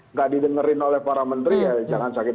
nggak didengerin oleh para menteri ya jangan sakit